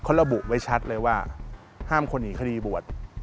เขาระบุไว้ชัดเลยว่าห้ามคนหนีคดีบวช